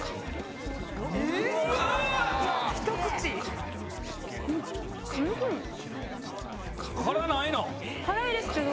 ・・ひと口⁉・辛いですけど。